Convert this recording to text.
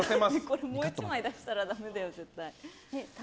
これもう１枚出したらダメだよ、絶対。